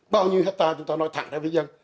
bao nhiêu hectare chúng ta nói thẳng ra với dân